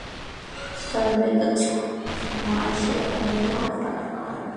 তার বেতন ছিল মাসে পনেরো টাকা।